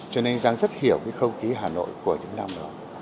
cho nên anh giang rất hiểu cái không khí hà nội của những năm đó